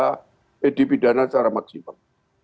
eh dibutuhkan secara eh dibidana secara maksimal